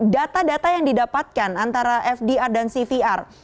data data yang didapatkan antara fdr dan cvr